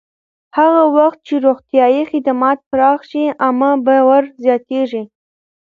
هغه وخت چې روغتیایي خدمات پراخ شي، عامه باور زیاتېږي.